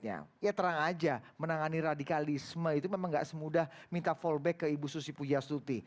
ya terang aja menangani radikalisme itu memang gak semudah minta fallback ke ibu susi pujastuti